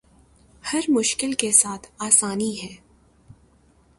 ہر مشکل کے ساتھ آسانی ہے